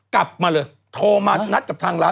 กลับมาเลยโทรมานัดกับทางร้าน